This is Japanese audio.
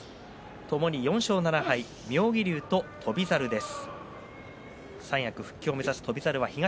ともに４勝７敗妙義龍と翔猿です。